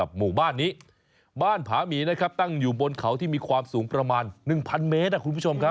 บ้านนี้บ้านผามีตั้งอยู่บนเขาที่มีความสูงประมาณ๑๐๐๐เมตร